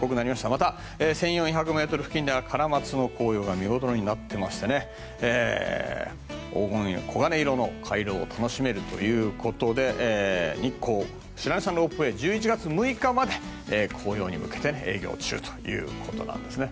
また、１４００ｍ付近ではカラマツの紅葉が見頃になっていまして黄金や黄金色の回廊を楽しめるということで日光白根山ロープウェイ１１月６日まで紅葉に向けて営業中ということなんですね。